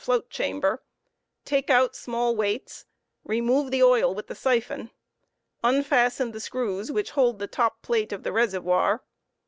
floatchamberj take out small weights; remove the oil with the siphon; unfasten the screws which hold * the top plate of the reservoir.